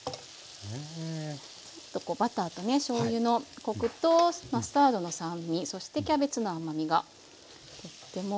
バターとねしょうゆのコクとマスタードの酸味そしてキャベツの甘みがとっても。